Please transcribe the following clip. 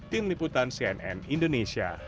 tim liputan cnn indonesia